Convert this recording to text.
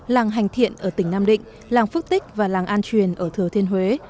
làng hành thiện ở tỉnh nam định làng phước tích và làng an truyền ở thừa thiên huế